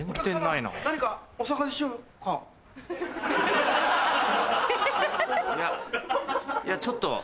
いやいやちょっと。